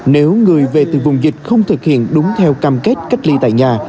nếu người về từ vùng dịch không thực hiện đúng theo cam kết cách ly tại nhà